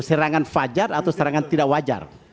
serangan fajar atau serangan tidak wajar